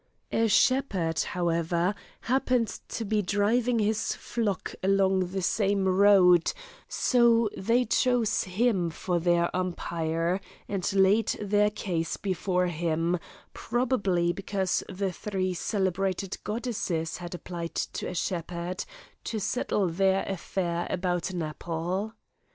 A shepherd, however, happened to be driving his flock along the same road, so they chose him for their umpire, and laid their case before him, probably because the three celebrated goddesses had applied to a shepherd to settle their affair about an apple.